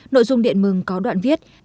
nội dung điện mừng có đoạn viết